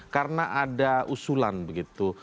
karena ada usulan begitu